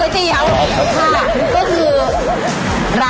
จะเอาจริง